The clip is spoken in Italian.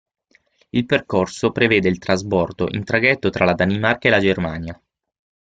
Il percorso prevede il trasbordo in traghetto tra la Danimarca e la Germania.